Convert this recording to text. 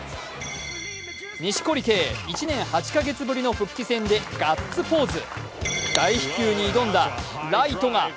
錦織圭、１年８か月ぶりの復帰戦でガッツポーズ。